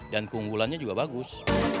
dan keunggulannya juga bagus